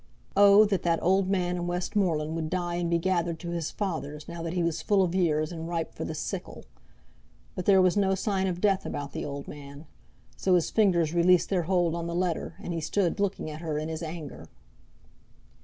Oh, that that old man in Westmoreland would die and be gathered to his fathers, now that he was full of years and ripe for the sickle! But there was no sign of death about the old man. So his fingers released their hold on the letter, and he stood looking at her in his anger.